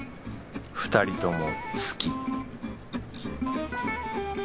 ２人とも好き